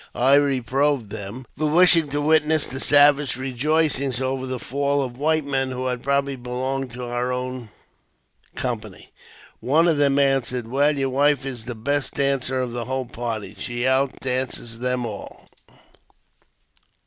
I reproved them for wishing to witness the savage rejoicings over the fall of white men who had probably belonged to our own company. One of them answered, " Well, your wife is the best dancer of the whole party; she out dances them all."